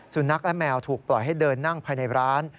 สุนัขและแมวถูกปล่อยให้เดินนั่งภายในร้าน